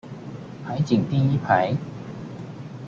海景第一排